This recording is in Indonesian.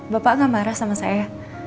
bapak gak marah sama saya